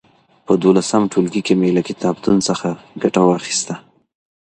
په دولسم ټولګي کي مي له کتابتون څخه ګټه واخيسته.